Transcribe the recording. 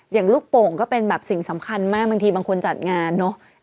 อย่างลูกโป่งก็เป็นแบบสิ่งสำคัญมากบางทีบางคนจัดงานเนอะ